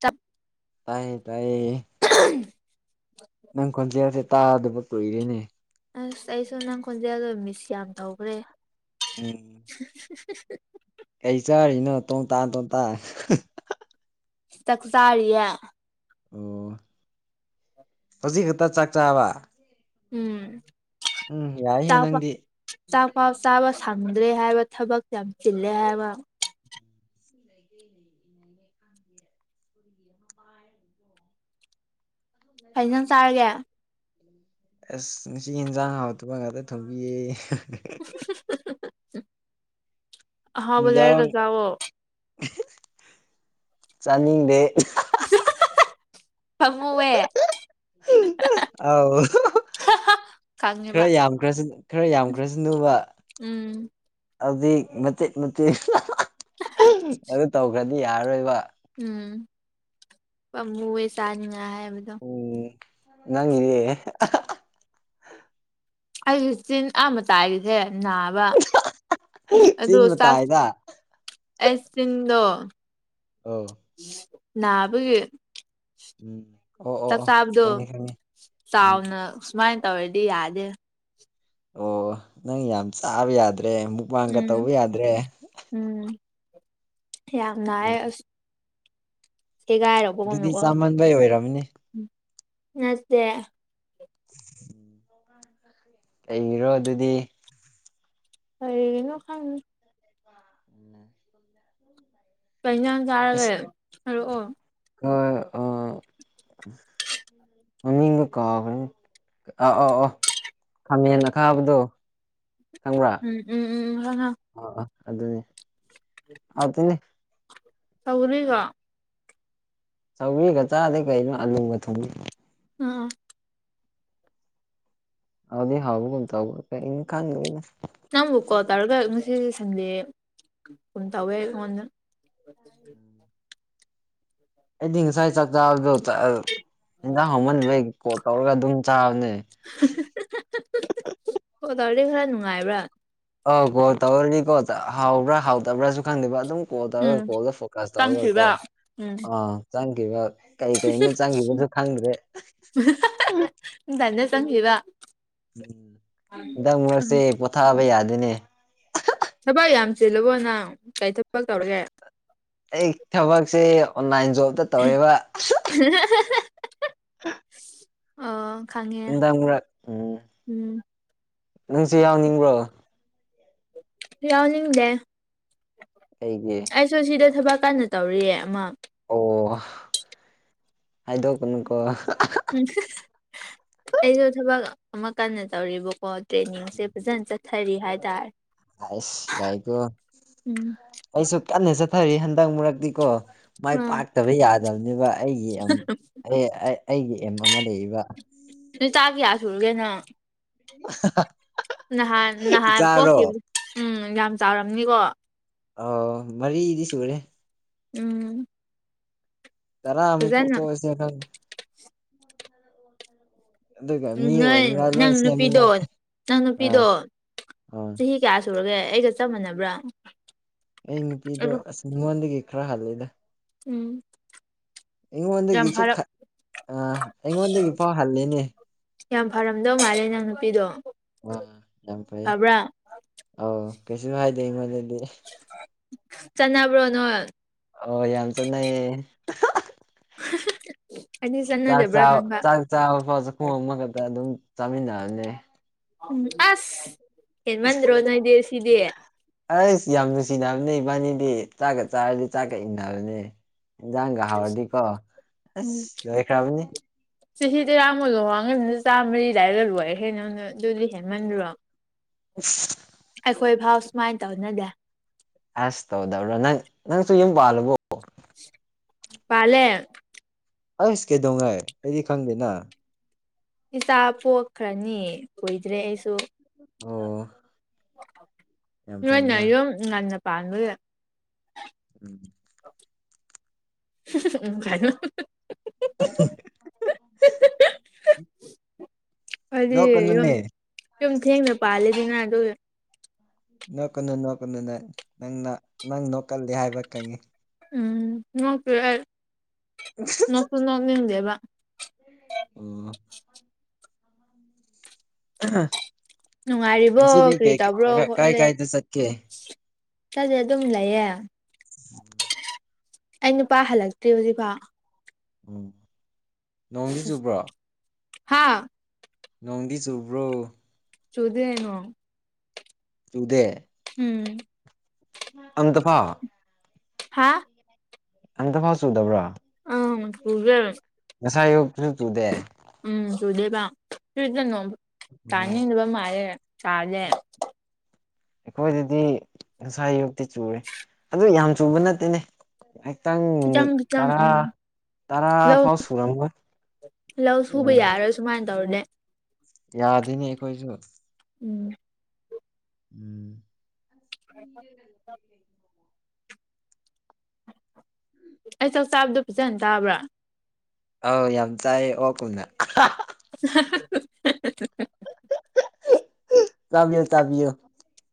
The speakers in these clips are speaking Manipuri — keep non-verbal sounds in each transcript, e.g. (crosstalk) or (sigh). ꯆꯞ ꯇꯥꯏꯌꯦ ꯇꯥꯏꯌꯦ ꯑꯍꯝ ꯅꯪ ꯈꯣꯟꯖꯦꯜꯁꯦ ꯇꯥꯗꯕ ꯀꯨꯏꯔꯦꯅꯦ ꯑꯁ ꯑꯩꯁꯨ ꯅꯪ ꯈꯣꯟꯖꯦꯜꯗ ꯃꯤꯁ ꯌꯥꯝ ꯇꯧꯈ꯭ꯔꯦ ꯎꯝ (unintelligible) ꯀꯩ ꯆꯥꯔꯤꯅꯣ ꯇꯣꯡꯇꯥ ꯇꯣꯟꯇꯥ ꯆꯥꯛ ꯆꯥꯔꯤꯌꯦ ꯑꯣ ꯍꯧꯖꯤꯛ ꯈꯛꯇ ꯆꯥꯛ ꯆꯥꯕ ꯎꯝ ꯎꯝ ꯌꯥꯏꯍꯦ ꯆꯥꯛꯄ ꯅꯪꯗꯤ ꯆꯥꯛꯐꯥꯎ ꯆꯥꯕ ꯁꯪꯗ꯭ꯔꯦ ꯍꯥꯏꯕ ꯊꯕꯛ ꯌꯥꯝ ꯆꯤꯜꯂꯦ ꯍꯥꯏꯕ (inaudible) (unintelligible) ꯀꯩꯟꯖꯥꯡ ꯆꯥꯔꯒꯦ ꯑꯁ ꯉꯁꯤ ꯌꯦꯟꯖꯥꯡ ꯍꯥꯥꯎꯇꯕ ꯉꯥꯛꯇ ꯊꫭꯡꯕꯤꯌꯦ ꯑꯍꯥꯎꯕ ꯂꯩꯔꯒ ꯏꯟꯖꯥꯡ ꯆꯥꯎꯋꫭ ꯆꯥꯅꯤꯡꯗꯦ ꯐꯪꯃꯧꯋꯦ (unintelligible) ꯑꯥꯎ ꯈꯪꯉꯦꯕ ꯈꯔ ꯌꯥꯝꯈ꯭ꯔꯁꯨ ꯈꯔ ꯌꯥꯝꯈ꯭ꯔꯁꯨꯅꯨꯕ ꯎꯝ ꯍꯧꯛ ꯃꯆꯦꯠ ꯃꯆꯦꯠ ꯑꯗꯨ ꯇꯧꯈ꯭ꯔꯗꯤ ꯌꯥꯔꯔꯣꯏꯕ ꯎꯝ ꯄꯥꯃꯨꯏꯌꯦ ꯆꯥꯅꯤꯉꯥꯏ ꯍꯥꯏꯕꯗꯣ ꯎꯝ ꯅꯪꯒꯤꯗꯤ ꯑꯍ ꯑꯩꯒꯤ ꯆꯤꯟ ꯑꯥ ꯃꯇꯥꯏ ꯒꯤꯁꯦ ꯅꯥꯕ ꯑꯗꯨ ꯆꯤꯟ ꯆꯥꯛ ꯃꯇꯥꯏꯗ ꯑꯩ ꯆꯤꯟꯗꫭ ꯑꯥꯎ ꯅꯥꯕꯒꯤ ꯎꯝ ꯑꯣ ꯑꯣ ꯆꯥꯛ ꯑꯣ ꯆꯥꯕꯗꯣ ꯈꯪꯉꯦ ꯈꯪꯉꯦ ꯎꯝ ꯆꯥꯎꯅ ꯁꯨꯃꯥꯏꯅ ꯇꯧꯔꯗꯤ ꯌꯥꯗꯦ ꯑꯣ ꯅꯪ ꯌꯥꯝ ꯆꯥꯕ ꯌꯥꯗ꯭ꯔꯦ ꯑꯃꯨꯛ ꯎꯝ ꯎꯝ ꯌꯥꯝ ꯎꯝ ꯅꯥꯏꯌꯦ ꯑꯁ ꯒꯥꯏꯔꯣ (unintelligible) ꯑꯗꯨꯗꯤ ꯆꯥꯃꯟꯕꯩ ꯑꯣꯏꯔꯝꯅꯤ ꯅꯠꯇꯦ ꯎꯝ ꯂꯩꯔꯣ ꯑꯗꯨꯗꯤ ꯀꯩꯒꯤꯅꫭ ꯈꯪꯗꯦ ꯑ ꯀꯩ ꯏꯖꯥꯡ ꯆꯥꯔꯒꯦ ꯍꯥꯏꯔꯛꯑꯣ ꯑ ꯑ ꯃꯃꯤꯡꯗꯎ ꯀꯥꯎꯒ꯭ꯔꯦ ꯑꯣ ꯑꯣ ꯑꯣ ꯈꯥꯃꯦꯟ ꯑꯈꯥꯕꯗꯣ ꯈꯪꯕ꯭ꯔꯥ ꯎꯝ ꯎꯝ ꯎꯝ ꯈꯪꯉꯦ ꯑꯣ ꯑꯣ ꯑꯗꯨꯅꯤ ꯍꯥꯎꯇꯦꯅꯦ ꯁꯧꯒ꯭ꯔꯤꯒ ꯆꯧꯔꯤꯒ ꯆꯥꯗꯩ ꯀꯩꯅꯣ ꯑꯂꯨꯕ ꯊꯨꯝꯏ ꯑ ꯑꯥ ꯑꯗꯤ ꯍꯕ ꯀꯣ ꯇ ꯀ ꯏ ꯈꯥꯟꯗꯅ ꯅꯪꯕꯨ ꯀꯣꯜ ꯇꯧꯔꯒ ꯉꯁꯤ ꯁꯟꯗꯦ ꯀꯝ ꯇꯧꯋꯦ ꯑꯩꯉꯣꯟꯗ ꯑꯩꯗꯤ ꯉꯁꯥꯏ ꯆꯥꯛ ꯆꯥꯕꯗꯣ ꯌꯦꯟꯖꯥꯡ ꯍꯧꯃꯟꯗꯕꯩ ꯀꯣꯜ ꯇꯧꯔꯒ ꯑꯗꯨꯝ ꯆꯥꯕꯅꯦ ꯍꫭ ꯇꯧꯔꯗꯤ ꯈꯔ ꯅꯨꯡꯉꯥꯏꯕ꯭ꯔꯥ ꯑ ꯀꯣꯜ ꯇꯧꯔꯗꯤꯀꯣ ꯍꯥꯎꯕ꯭ꯔꯥ ꯍꯥꯎꯗꯕ꯭ꯔꯥꯁꯨ ꯈꯪꯗꯕ ꯑꯗꯨꯝ ꯀꯣꯜ ꯎꯝ ꯇꯧꯔꯒ ꯀꯣꯜꯗ ꯐꯣꯀꯁ ꯇꯧꯔꯒ ꯀꯣ ꯆꯪꯈꯤꯕ ꯎꯝ ꯑꯥ ꯆꯪꯈꯤꯕ ꯀꯩ ꯀꯩꯅ ꯆꯪꯈꯤꯕꯁꯨ ꯈꯪꯗ꯭ꯔꯦ ꯇꯟꯅ (unintelligible) ꯆꯪꯈꯤꯕ ꯎꯝ ꯍꯟꯗꯛ ꯎꯝ ꯃꯔꯛꯁꯦ ꯄꯣꯊꯥꯕ ꯌꯥꯗꯦꯅꯦ ꯊꯕꯛ ꯌꯥꯝ ꯆꯤꯜꯂꯕꯣ ꯅꯪ ꯀꯔꯤ ꯊꯕꯛ ꯇꯧꯔꯒꯦ ꯑꯩ ꯊꯕꯛꯁꯦ ꯑꯣꯟꯂꯥꯏꯟ ꯖꯣꯕꯇ ꯇꯧꯋꯦꯕ ꯑꯣ ꯈꯪꯉꯦ ꯍꯟꯗꯛ ꯃꯔꯛ ꯎꯝ ꯎꯝ ꯅꯪꯁꯨ ꯌꯥꯎꯅꯤꯡꯕ꯭ꯔꯣ ꯌꯥꯎꯅꯤꯡꯗꯦ ꯑꯩꯒꯤ ꯑꯩꯁꯨ ꯁꯤꯗ ꯊꯕꯛ ꯀꯟꯅ ꯇꯧꯔꯤꯌꯦ ꯑꯃꯥ ꯑꯣ ꯍꯥꯏꯗꯣꯛꯀꯅꯨꯀꯣ (unintelligible) ꯑꯩꯁꯨ ꯊꯕꯛ ꯑꯃ ꯀꯟꯅ ꯇꯧꯔꯤꯕꯀꯣ ꯇ꯭ꯔꯦꯅꯤꯡꯁꯦ ꯐꯖꯅ ꯆꯠ ꯊꯔꯤ (unintelligible) ꯍꯥꯏꯇꯥꯔꯦ ꯑꯁ ꯌꯥꯏꯀꯣ ꯎꯝ ꯑꯩꯁꯨ ꯀꯟꯅ ꯆꯠꯊꯔꯤ ꯍꯟꯗꯛ ꯃꯔꯛ ꯗꯤꯀꯣ ꯃꯥꯏ ꯎꯝ ꯄꯥꯛꯇꯕ ꯌꯥꯗꯕꯅꯦꯕ ꯑꯩꯒꯤ ꯑꯦꯝ ꯑꯩꯒꯤ ꯑꯦꯝ ꯑꯃ ꯂꯩꯌꯦꯕ ꯅꯆꯥ ꯀꯌꯥ ꯁꯨꯔꯒꯦ ꯅꯪ (unintelligible) ꯅꯍꯥꯟ ꯅꯍꯥꯟ ꯏꯆꯥꯔꯣ ꯄꯣꯛꯈꯤꯕ ꯎꯝ ꯌꯥꯝ ꯆꯥꯎꯔꯝꯅꯤꯀꯣ ꯑꯣ ꯃꯔꯤꯗꯤ ꯁꯨꯔꯦ ꯎꯝ ꯇꯔꯥ ꯃꯨꯛ ꯐꯖꯅ ꯄꫭꯛꯊꫭꯛꯑꯁꯤꯔ ꯈꯪꯗꯦ ꯑꯗꯨꯒ ꯃꯤ ꯅꯣꯏ ꯑꯣꯏꯅꯤꯡꯉꯥꯏ ꯂꯣꯏ ꯅꯪ ꯅꯨꯄꯤꯗꯣ ꯁꯦꯝꯅꯤꯡꯉꯥꯏ ꯅꯪ ꯑꯥ ꯅꯨꯄꯤꯗꯣ ꯑꯥ ꯆꯍꯤ ꯀꯌꯥ ꯁꯨꯔꯒꯦ ꯑꯩꯒ ꯆꯞ ꯃꯥꯟꯅꯕ꯭ꯔꯥ ꯑꯩ ꯅꯨꯄꯤꯗꯣ ꯑꯁ ꯑꯩꯉꯣꯟꯗꯒꯤ ꯈꯔ ꯍꯜꯂꯦꯗ ꯎꯝ ꯌꯥꯝ ꯑꯩꯉꯣꯟꯗꯒꯤꯁꯨ ꯐꯔ ꯈꯔ ꯑ ꯑꯩꯉꯣꯟꯗꯒꯤ ꯐꯥꯎ ꯍꯜꯂꯤꯅꯦ ꯌꯥꯝ ꯐꯔꯝꯗꯧ ꯃꯥꯜꯂꯦ ꯅꯪ ꯅꯨꯄꯤꯗꯣ ꯑꯥ ꯌꯥꯝ ꯐꯩ ꯐꯕ꯭ꯔꯥ ꯑꯧ ꯀꯩꯁꯨ ꯍꯥꯏꯗꯦ ꯑꯩꯉꯣꯟꯗꯗꯤ ꯆꯅꯕ꯭ꯔꯣ ꯅꯣꯏ ꯑꯣ ꯌꯥꯝ ꯆꯅꯩꯌꯦ (unintelligible) ꯑꯩꯗꯤ ꯆꯥꯅꯗꯕ꯭ꯔꯥ ꯈꯟꯕ ꯆꯥꯕꯐꯥꯎ ꯆꯥꯈꯣꯝ ꯑꯃ ꯈꯛꯇ ꯑꯗꯨꯝ ꯆꯥꯃꯤꯟꯅꯕꯅꯦ ꯎꯝ ꯑꯁ ꯍꯦꯟ ꯃꯟꯗ꯭ꯔꯣ ꯅꫭꯏꯗꯤ ꯑꯁꯤꯗꯤ ꯑꯩꯁ ꯌꯥꯝ ꯅꯨꯡꯁꯤꯅꯕꯅꯦ ꯏꯕꯥꯅꯤꯗꯤ ꯆꯥꯛꯀ ꯆꯥꯔꯗꯤ ꯆꯥꯛꯀ ꯏꯟꯅꯕꯅꯦ ꯏꯟꯖꯥꯡꯒ ꯍꯥꯎꯔꯗꯤꯀꯣ ꯎꯝ ꯑꯁ ꯂꯣꯏꯈ꯭ꯔꯕꯅꯤ ꯆꯍꯤ ꯇꯔꯥꯃꯨꯛ (unintelligible) (unintelligible) ꯑꯩꯈꯣꯏ ꯐꯥꯎ ꯁꯨꯃꯥꯏꯅ ꯇꯧꯅꯗꯦ ꯑꯁ ꯇꯧꯗꯕ꯭ꯔꯣ ꯅꯪ ꯅꯪꯁꯨ ꯌꯨꯝ ꯄꯥꯜꯂꯕꫭ ꯄꯥꯂꯦ ꯑꯁ ꯀꯩꯗꯧꯉꯩ ꯑꯩꯗꯤ ꯈꯪꯗꯦꯅ ꯏꯆꯥ ꯄꯣꯛꯈ꯭ꯔꯅꯤ ꯀꯨꯏꯗ꯭ꯔꯦ ꯑꯩꯁꯨ ꯑꯣ ꯌꯥꯝ ꯅꯣꯏꯅ ꯐꯩꯅ ꯌꯨꯝ ꯉꯟꯅ ꯄꯥꯟꯕꯒꯤ (inaudible) (unintelligible) ꯑ (unintelligible) (unintelligible) ꯌꯨꯝ ꯅꯣꯛꯀꯅꯨꯅꯦ ꯌꯨꯝ ꯊꯦꯟꯅ ꯄꯥꯂꯦꯗꯅ ꯑꯗꯨꯒꯤ ꯅꯣꯛꯀꯅꯨ ꯅꯣꯛꯀꯅꯨ ꯅꯪ ꯅꯪꯅ ꯅꯪ ꯅꯣꯛꯀꯂ ꯍꯥꯏꯕ ꯈꯪꯉꯤ ꯎꯝ ꯅꯣꯛꯇꯦ ꯑꯩ (unintelligible) ꯄꯨꯅ ꯅꯤꯡꯗꯦꯕ ꯑꯣ ꯑꯍꯥ ꯅꯨꯡꯉꯥꯏꯔꯤꯕꯣ ꯀꯔꯤ ꯇꯧꯕ꯭ꯔꯣ ꯀꯥꯏ ꯈꯣꯠꯂꯦ ꯀꯥꯏꯗ ꯆꯠꯀꯦ ꯈꯪꯗꯦ ꯑꯗꯨꯝ ꯂꯩꯌꯦ (unintelligible) ꯑꯩ ꯅꯨꯄꯥ ꯍꯜꯂꯛꯇꯦ ꯍꯧꯖꯤꯛꯐꯥꯎ ꯎꯝ ꯅꯣꯡꯗꯤ ꯆꯨꯕ꯭ꯔꯣ ꯍꯥꯥ ꯅꯣꯡꯗꯤ ꯆꯨꯕ꯭ꯔꯣ ꯆꯨꯗꯗꯩꯅꯣ ꯇꯨꯗꯦ ꯎꯝ ꯑꯟꯇꯐꯥ ꯍꯥꯥ ꯑꯝꯇꯐꯥꯎ ꯆꯨꯗꯕ꯭ꯔꯣ ꯑꯪ ꯄꯨꯒꯦ ꯉꯁꯥꯏ ꯑꯌꯨꯛ ꯐꯤ ꯆꯨꯗꯦ ꯎꯝ ꯆꯨꯗꯦꯕ ꯆꯨꯗꯅꯣ ꯑꯣ ꯆꯥꯅꯤꯡꯗꯕ ꯃꯥꯜꯂꯦ ꯆꯥꯗꯦ ꯑꯩꯈꯣꯏꯗꯗꯤ ꯉꯁꯥ ꯌꯨꯛꯇꯤ ꯆꯨꯔꯦ ꯑꯗꯨ ꯌꯥꯝ ꯆꯨꯕ ꯅꯠꯇꯦꯅꯦ ꯑꯦꯛ ꯇꯥꯡ ꯈꯤꯇꯪ ꯃꯤꯅꯤꯠ ꯈꯤꯇꯪ ꯇꯔꯥ ꯎꯝ ꯇꯔꯥ ꯂꯧ ꯐꯥꯎ ꯁꯨꯨꯔꯝꯕ ꯂꯧ ꯁꯨꯕ ꯌꯥꯔꯣꯏ ꯁꯨꯃꯥꯏꯅ ꯇꯧꯔꯅꯦ ꯌꯥꯗꯣꯏꯅꯤ ꯑꯩꯈꯣꯏꯁꯨ ꯎꯝ ꯎꯝ ꯑꯩ ꯆꯥꯛ ꯆꯥꯕꯗꯣ ꯐꯤꯖꯟ ꯇꯥꯕ꯭ꯔꯥ ꯑꯧ ꯌꯥꯝ ꯆꯥꯏ ꯑꯣ ꯀꯨꯝꯅ ꯍ ꯇꯕꯤꯌꯣ ꯇꯕꯤꯌꯨ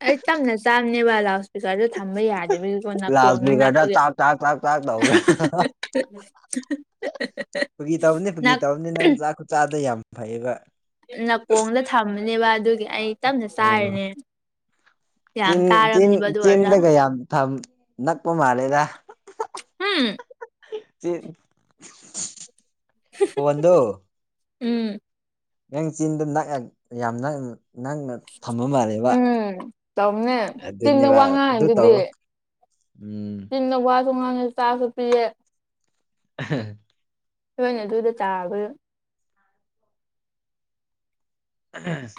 ꯑꯩ ꯇꯝꯅ ꯆꯥꯕꯅꯤꯕ ꯋꯥꯗꯁꯦ ꯄꯩꯁꯥꯁꯦ ꯊꯝꯕ ꯌꯥꯗꯕꯒꯤꯀꯣ ꯂꯥꯎꯠ ꯅꯥꯀꯣꯡꯅꯤ ꯏꯁꯄꯤꯀꯔꯗ ꯅꯥꯛꯄꯒꯤ ꯑꯦꯛ ꯆꯥꯛ ꯆꯥꯛ ꯆꯥꯛ ꯆꯥꯛ ꯇꯧꯕ꯭ꯔꯥ ꯀꯨꯀꯤꯔꯤ ꯇꯧꯔꯅꯤ ꯀ ꯄꯨꯀꯤꯔꯤ ꯇꯧꯔꯅꯤ ꯅꯪ ꯆꯥꯛ ꯈꯨ ꯆꯥꯗ ꯌꯥꯝ ꯐꯩꯕ ꯅꯥꯀꯣꯡꯗ ꯊꯝꯕꯅꯦꯕ ꯑꯗꯨꯒꯤ ꯑꯩ ꯇꯞꯅ ꯎꯝ ꯆꯥꯏꯔꯅꯦ ꯆꯤꯟ ꯆ ꯆꯤꯟꯗꯒ ꯌꯥꯝ ꯊ ꯅꯛꯄ ꯃꯥꯜꯂꯦꯗ ꯎꯝ ꯁꯦꯛ ꯐꯣꯟꯗꯣ ꯎꯝ ꯅꯪ ꯆꯤꯟꯗ ꯌꯥꯝꯅ ꯊꯝꯃ ꯃꯥꯜꯂꯕ ꯎꯝ ꯇꯧꯕꯅꯦ ꯆꯤꯟꯗ ꯑꯗꯨꯅꯦꯕ ꯋꯥ ꯑꯗꯨ ꯇꯧ ꯉꯥꯡꯉꯤꯗꯨꯗꯤ ꯎꯝ ꯊꯣꯡꯉꯥꯡꯉꯦ ꯆꯥꯁꯨ ꯄꯤꯌꯦꯦ (unintelligible) ꯅꯣꯏꯅ ꯑꯗꯨꯗ ꯇꯥꯕꯒꯤ ꯑꯍꯥꯝ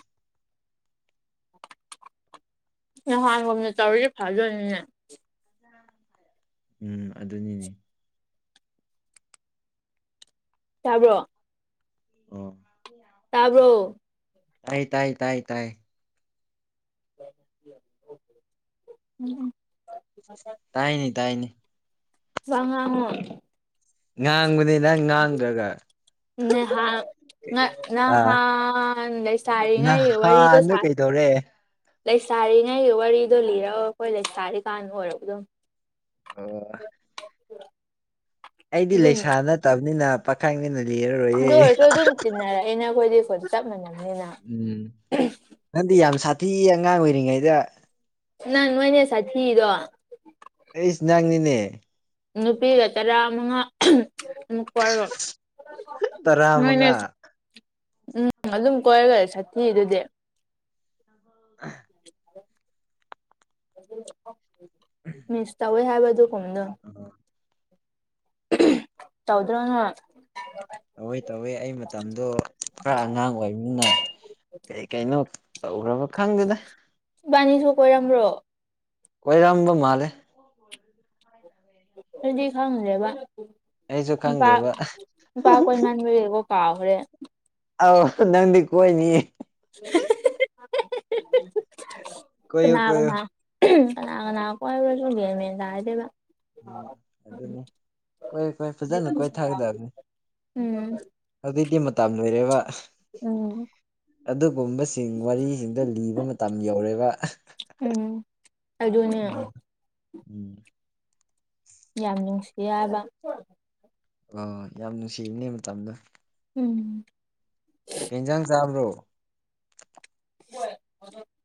ꯅꯍꯥꯟꯒꯨꯝꯅ ꯇꯧꯔꯗꯤ ꯐꯗꯣꯏꯅꯤꯅꯦ ꯎꯝ ꯑꯗꯨꯅꯤꯅꯦ ꯇꯥꯕ꯭ꯔꯣ ꯑꯣ ꯇꯥꯕꯔꯣ ꯑꯥꯏ ꯇꯥꯏ ꯇꯥꯏ ꯇꯥꯏ ꯎꯝ ꯎꯝ ꯇꯥꯏꯅꯦ ꯇꯥꯏꯅꯦ ꯁꯉꯥꯡ ꯉꯥꯡꯕꯗꯤ ꯅꯪ ꯉꯥꯡꯈ꯭ꯔꯒ ꯅꯦꯍꯥꯛ ꯉ ꯑꯥ ꯅꯍꯥꯟ ꯂꯩꯁꯥꯔꯤꯉꯩ ꯋꯥꯔꯤꯗꯣ ꯅꯍꯥꯟꯗꯣ ꯁꯥꯏ ꯀꯩꯗꯧꯔꯦ ꯂꯩꯁꯥꯔꯤꯉꯩꯒꯤ ꯋꯥꯔꯤꯗꯣ ꯂꯤꯔꯒ ꯑꯩꯈꯣꯏ ꯂꯩꯁꯥꯔꯤ ꯀꯥꯟ ꯑꯣꯏꯔꯕ ꯑꯗꯨꯝ ꯑꯣ ꯑꯩꯗꯤ ꯑꯗꯨꯅꯦ ꯂꯩꯁꯥ ꯅꯠꯇꯕꯅꯤꯅ ꯄꯥꯈꯪꯅꯤꯅ ꯂꯤꯔꯔꯣꯏꯌꯦ ꯑꯗꯨ ꯑꯣꯏꯔꯁꯨ ꯍ ꯑꯗꯨꯝ ꯑꯍꯥ ꯇꯤꯟꯅꯔꯛꯏꯅ ꯑꯈꯣꯏꯗꯤ ꯐꯣꯟ ꯆꯞ ꯃꯥꯟꯅꯕꯅꯤꯅ ꯎꯝ ꯅꯪꯗꯤ ꯌꯥꯝ ꯁꯥꯊꯤ ꯑꯉꯥꯡ ꯑꯣꯏꯔꯤꯉꯩꯗ ꯅꯪ ꯅꯣꯏꯅꯦ ꯁꯥꯊꯤꯗꯣ ꯑꯩꯁ ꯅꯪꯅꯤꯅꯦ ꯅꯨꯄꯤꯒ ꯇꯔꯥ ꯃꯉꯥ ꯑꯍꯝ ꯑꯃꯨꯛ ꯀꯣꯏꯔꯒ ꯇꯔꯥ ꯅꯣꯏꯅꯦ ꯃꯉꯥ ꯎꯝ ꯑꯗꯨꯝ ꯀꯣꯏꯔꯒ ꯁꯥꯊꯤꯔꯤꯗꯨꯗꯤ ꯑꯥ ꯃꯤꯁ ꯇꯧꯋꯦ ꯍꯥꯏꯕꯗꯨ ꯀꯨꯝꯗꯨ (unintelligible) ꯎꯝ ꯇꯧꯗ꯭ꯔꯣ ꯅꯪ ꯇꯧꯋꯦ ꯇꯧꯋꯦ ꯑꯩ ꯃꯇꯝꯗꯣ ꯈꯔ ꯑꯉꯥꯡ ꯑꯣꯏꯕꯅꯤꯅ ꯀꯩ ꯀꯩꯅꯣ ꯇꯧꯈ꯭ꯔꯕ ꯈꯪꯗꯦꯗ ꯏꯕꯥꯅꯤꯁꯨ ꯀꯣꯏꯔꯝꯕ꯭ꯔꯣ ꯀꯣꯏꯔꯝꯕ ꯃꯥꯜꯂꯦ (inaudible) ꯑꯗꯨꯗꯤ ꯈꯪꯗꯦꯕ ꯑꯩꯁꯨ ꯅꯨꯄꯥ ꯈꯪꯗꯦꯕ ꯅꯨꯄꯥ ꯀꯣꯏꯃꯟꯕꯒꯤꯀꯣ ꯀꯥꯎꯒ꯭ꯔꯦ ꯑꯥꯎ ꯍ ꯅꯪꯗꯤ ꯀꯣꯏꯅꯤ ꯍꯤ ꯍꯤ ꯀꯣꯏꯌꯨ ꯀꯅꯥ ꯀꯣꯏꯌꯨ ꯀꯅꯥ ꯎꯝ ꯀꯅꯥ ꯀꯅꯥ ꯀꯣꯏꯕ꯭ꯔꯁꯨ ꯒ꯭ꯌꯥꯟ ꯃꯦꯟ ꯇꯥꯗꯦꯕ ꯎꯝ ꯑꯗꯨꯅꯤ ꯀꯣꯏꯌꯨ ꯀꯣꯏꯌꯨ ꯐꯖꯅ ꯀꯣꯏꯊꯥꯒꯗꯕꯅꯤ ꯎꯝ ꯑꯗꯨꯗꯩꯗꯤ ꯃꯇꯝ ꯂꯣꯏꯔꯦꯕ ꯎꯝ ꯑꯗꯨꯒꯨꯝꯕꯁꯤꯡ ꯋꯥꯔꯤꯁꯤꯡꯗꯣ ꯂꯤꯕ ꯃꯇꯝ ꯌꯧꯔꯦꯕ ꯑꯍ ꯎꯝ ꯑꯗꯨꯅꯦ ꯎꯝ ꯎꯝ ꯌꯥꯝ ꯅꯨꯡꯁꯤ ꯍꯥꯏꯕ ꯑꯣ ꯌꯥꯝ ꯅꯨꯡꯁꯤꯕꯅꯦ ꯃꯇꯝꯗꯣ ꯎꯝ ꯀꯩ ꯏꯟꯖꯥꯡ ꯆꯥꯕ꯭ꯔꯣ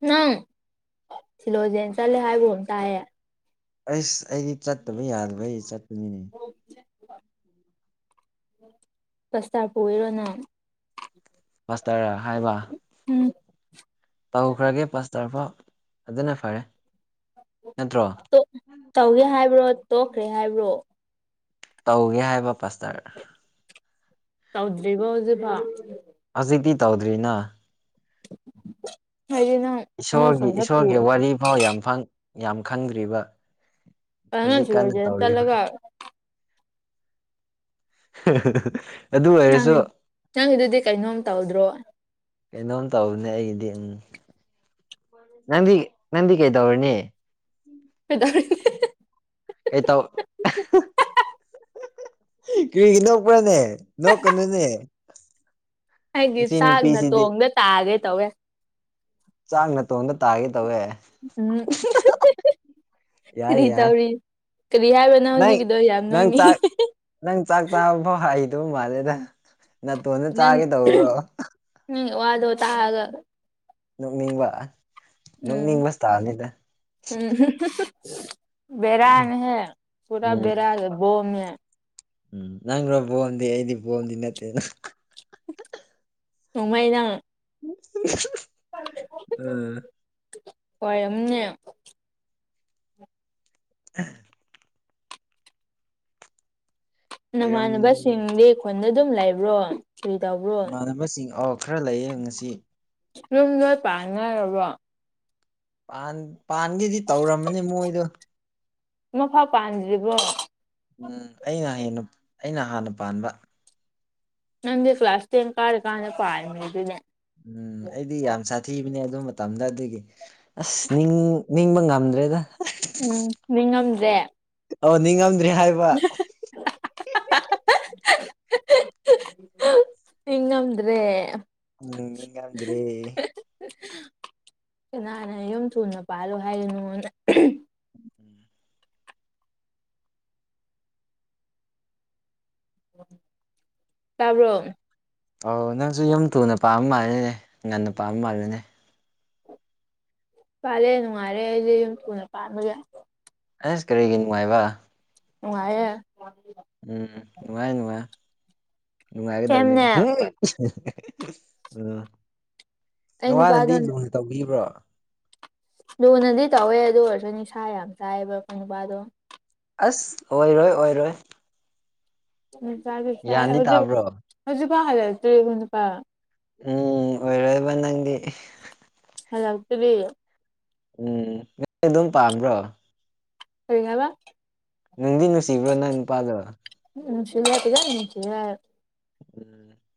ꯅꯪ ꯁꯤꯜꯂꯣꯖꯦꯟ ꯆꯠꯂꯦ ꯍꯥꯏꯕꯒꯨꯝ ꯇꯥꯏꯌꯦ ꯑꯩꯁ ꯑꯩꯗꯤ ꯆꯠꯇꯕ ꯌꯥꯗꯕꯩ ꯆꯠꯄꯅꯤꯅꯦ ꯄ꯭ꯂꯁꯇꯥꯔ ꯄꯨꯒꯦꯔꯣ ꯅꯪ ꯄꯥꯁꯇꯔꯔ ꯍꯥꯏꯕ ꯎꯝ ꯇꯧꯈ꯭ꯔꯒꯦ ꯄꯥꯁꯇꯔꯐꯥꯎ ꯑꯗꯨꯅ ꯐꯔꯦ ꯅꯠꯇ꯭ꯔꯣ ꯇꯣꯛ ꯇꯧꯒꯦ ꯍꯥꯏꯕ꯭ꯔꯣ ꯇꯣꯛꯈ꯭ꯔꯦ ꯍꯥꯏꯕ꯭ꯔꯣ ꯇꯧꯒꯦ ꯍꯥꯏꯕ ꯄꯥꯁꯇꯔ ꯇꯧꯗ꯭ꯔꯤꯕꫭ ꯍꯨꯖꯤꯛꯐꯥꯎ ꯍꯧꯖꯤꯛꯇꯤ ꯇꯧꯗ꯭ꯔꯤꯅ ꯍꯥꯏꯗꯤ ꯅꯪ ꯅꯣꯏ ꯏꯁꯣꯔꯒꯤ ꯈꯨꯟꯗ ꯄꯨ ꯏꯁꯣꯔꯒꯤ ꯋꯥꯔꯤ ꯐꯥꯎ ꯌꯥꯝ ꯐꯪ ꯌꯥꯝ ꯈꯪꯗ꯭ꯔꯤꯕ ꯅꯪ ꯍꯧꯖꯤꯛ ꯀꯥꯟꯅ ꯁꯤꯂꯣꯏꯖꯦꯟ ꯇꯧꯔꯤꯕ ꯆꯠꯂꯒ ꯍ ꯍ ꯍ ꯅꯪꯒꯤ ꯅꯪꯒꯤꯗꯨꯗꯤ ꯀꯩꯅꯣꯝ ꯇꯧꯗ꯭ꯔꯣ ꯀꯩꯅꯣꯝ ꯇꯧꯕꯅꯦ ꯑꯩꯒꯤꯗꯤ ꯎꯝ ꯅꯪꯗꯤ ꯅꯪꯗꯤ ꯀꯩꯗꯧꯔꯅꯤ ꯀꯩꯗꯧꯔꯦ ꯍ ꯀꯩ ꯇꯧ ꯑꯍ ꯍ ꯀ ꯅꯣꯛꯄ꯭ꯔꯅꯦ ꯅꯣꯛꯀꯅꯨꯅꯦ ꯍꯥꯏꯗꯤ ꯁꯤ ꯆꯥꯛꯅ ꯅꯨꯄꯤꯁꯤꯗꯤ ꯇꯣꯡꯗ ꯇꯥꯒꯦ ꯇꯧꯋꯦ ꯆꯥꯛ ꯅꯥ ꯇꯣꯡꯗ ꯇꯥꯒꯦ ꯇꯧꯋꯦ ꯎꯝ ꯌꯥꯏ ꯀꯔꯤ ꯌꯥꯏ ꯇꯧꯔꯤ ꯀꯔꯤ ꯍꯥꯏꯕꯅꯣ ꯅꯪ ꯍꯧꯖꯤꯛꯀꯤꯗꯣ ꯌꯥꯝ ꯅꯪ ꯅꯣꯡꯉꯤ ꯆꯥꯛ ꯅꯪ ꯆꯥꯛ ꯆꯥꯕꯐꯥꯎ ꯍꯩꯗꯧ ꯃꯥꯜꯂꯦꯗ ꯅꯥꯇꯣꯟꯗ ꯆꯥꯒꯦ ꯇꯧꯕ꯭ꯔꯣ ꯅꯪ ꯋꯥꯗꯣ ꯇ ꯍꯥꯏꯒ ꯅꯣꯛꯅꯤꯡꯕ ꯅꯣꯛꯅꯤꯡꯕꯁꯨ ꯇꯥꯅꯤꯗ ꯝ ꯕꯦꯔꯅ ꯍ ꯄꯨꯥ ꯎꯝ ꯕꯔ ꯣꯝꯦ ꯎꯝ ꯅꯪꯈ꯭ꯔꯣ ꯕꯣꯝꯗꯤ ꯑꯩꯗꯤ ꯕꯣꯝꯗꯤ ꯅꯠꯇꯦꯅ ꯁꯃꯥꯏꯗ ꯎꯝ ꯍꯣꯏ ꯑꯅꯦ (inaudible) ꯑꯣꯏꯔꯝ ꯅꯃꯥꯟꯅꯕꯁꯤꯡꯗꯤ ꯈꯨꯣꯟꯗ ꯑꯗꯨꯝ ꯂꯩꯕ꯭ꯔꯣ ꯀꯔꯤ ꯇꯧꯕ꯭ꯔꯣ ꯏꯃꯥꯟꯅꯕꯁꯤꯡ ꯑ ꯈꯔ ꯂꯩꯌꯦ ꯉꯁꯤ ꯌꯨꯝ ꯂꯣꯏ ꯄꯥꯛ ꯉꯥꯏꯔꯕꯣ ꯥꯟ ꯄꯥꯟꯒꯤꯗꯤ ꯇꯧꯔꯝꯃꯅꯤ ꯃꯣꯏꯗꯣ ꯃꯐꯥꯎ ꯄꯥꯟꯗ꯭ꯔꯤꯕꯣ ꯎꯝ ꯑꯩꯅ ꯍꯦꯟꯅ ꯑꯩꯅ ꯍꯥꯟꯅ ꯄꯥꯟꯕ ꯅꯪꯗꯤ ꯀ꯭ꯂꯥꯁ ꯇꯦꯟ ꯀꯥꯔꯀꯥꯟꯗ ꯄꯥꯔꯝꯃꯤ ꯑꯗꯨꯅꯦ ꯎꯝ ꯑꯩꯗꯤ ꯌꯥꯝ ꯁꯥꯊꯤꯕꯅꯦ ꯑꯗꯨ ꯃꯇꯝꯗ ꯑꯗꯨꯒꯤ ꯑꯁ ꯅꯤꯡ ꯅꯤꯡꯕ ꯉꯝꯗ꯭ꯔꯦꯗ ꯎꯝ ꯃꯤ ꯉꯝꯖꯦ ꯑꯣ ꯅꯤꯡꯉꯝꯗ꯭ꯔꯦ ꯍꯥꯏꯕ ꯑꯩ ꯉꯝꯗ꯭ꯔꯦ ꯎꯝ ꯌꯦꯉꯗ꯭ꯔꯤ ꯀꯅꯥꯅ ꯌꯨꯝ ꯊꯨꯅ ꯄꯥꯜꯂꯨ ꯍꯥꯏꯗꯣꯏꯅꯣꯅ ꯎꯝ ꯇꯕ ꯑꯣ ꯅꯪꯁꯨ ꯌꯨꯝ ꯊꯨꯅ ꯄꯥꯝꯕ ꯃꯥꯜꯂꯤꯅꯦ ꯉꯟꯅ ꯄꯥꯝꯕ ꯃꯥꯜꯜꯂꯤꯅꯦ ꯄꯥꯜꯂꯦ ꯅꯨꯡꯉꯥꯏꯔꯦ ꯑꯩꯁꯦ ꯌꯨꯝ ꯊꯨꯅ ꯄꯥꯟꯕꯒꯦ ꯑꯁ ꯀꯔꯤꯒꯤ ꯅꯨꯡꯉꯥꯏꯕ ꯅꯨꯡꯉꯦ ꯎ ꯎꯝ ꯅꯨꯡꯉꯥꯏ ꯅꯨꯡꯉꯥꯏ ꯅꯨꯡꯉꯥꯏꯒꯗꯕꯅꯤ ꯁꯦꯝꯅꯦ ꯎꯝ ꯑꯩ ꯅꯪꯉ ꯅꯨꯄꯥꯗꯣ ꯅꯗꯤ ꯂꯨꯅ ꯇꯧꯕꯤꯕ꯭ꯔꯣ ꯂꯨꯅꯗꯤ ꯇꯧꯋꯦ ꯑꯗꯨ ꯑꯣꯏꯔꯁꯨ ꯅꯤꯁꯥ ꯌꯥꯝ ꯇꯥꯏꯑꯕ ꯑꯩꯈꯣꯏ ꯅꯨꯄꯥꯗꯣ ꯑꯁ ꯑꯣꯏꯔꯣꯏ ꯑꯣꯏꯔꯣꯏ ꯎꯝ ꯆ ꯐꯥꯏ ꯒ꯭ꯌꯥꯟꯗꯤ ꯍꯧꯖꯤꯛ ꯇꯥꯕ꯭ꯔꯣ ꯍꯧꯖꯤꯛꯐꯥꯎ ꯍꯥꯏꯜꯂꯛꯇ꯭ꯔꯤ ꯍꯧ ꯅꯨꯄꯥ ꯎꯝ ꯑꯣꯏꯔꯣꯏꯕ ꯅꯪꯗꯤ ꯍ ꯌꯥꯎꯗꯦꯕꯤ ꯎꯝ ꯅ ꯑꯗꯨꯝ ꯄꯥꯝꯕ꯭ꯔꯣ ꯁꯔꯤꯉꯕ ꯅꯪꯗꯤ ꯅꯨꯡꯁꯤꯕ꯭ꯔꯣ ꯅꯪ ꯅꯨꯄꯥꯗꯣ ꯎꯝ ꯁꯤꯋꯥꯇꯤꯒ ꯅꯤꯡꯁꯤꯒ ꯎꯝ